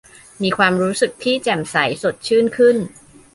มีความรู้สึกที่แจ่มใสสดชื่นขึ้น